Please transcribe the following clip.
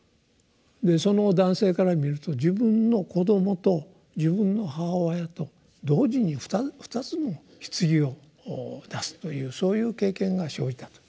その男性から見ると自分の子どもと自分の母親と同時に２つの棺を出すというそういう経験が生じたと。